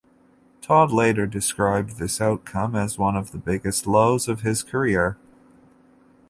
Todd later described this outcome as one of the biggest lows of his career.